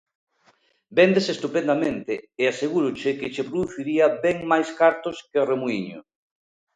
Véndese estupendamente e asegúroche que che produciría ben máis cartos que Remuíño.